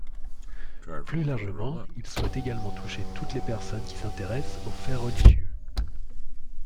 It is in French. Plus largement, il souhaite également toucher toutes les personnes qui s’intéressent aux faits religieux.